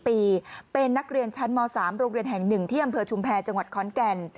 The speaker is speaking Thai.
ปีเป็นนักเรียนชั้นม๓โรงเรียนแห่ง๑ที่อำเภอชุมแพรจังหวัดขอนแก่น